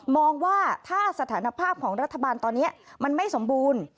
มองว่าถ้าสถานภาพของรัฐบาลตอนนี้มันไม่สมบูรณ์